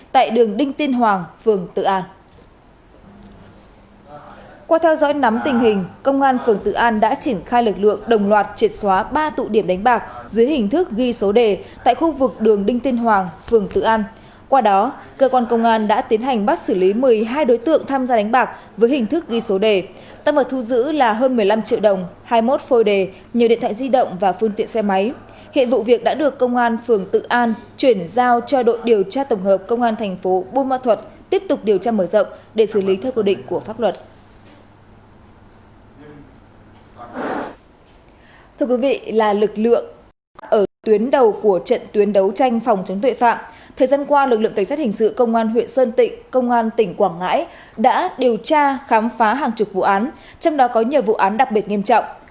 thời gian qua lực lượng cảnh sát hình sự công an huyện sơn tịnh công an tỉnh quảng ngãi đã điều tra khám phá hàng chục vụ án trong đó có nhiều vụ án đặc biệt nghiêm trọng